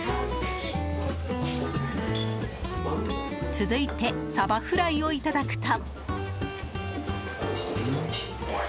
続いてサバフライをいただくと。